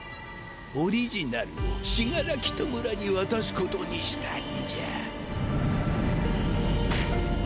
オリジナルを死柄木弔に渡すことにしたんじゃ。